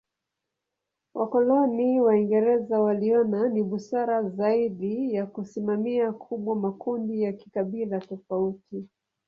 Wakoloni Waingereza waliona ni busara zaidi ya kusimamia kubwa makundi ya kikabila tofauti.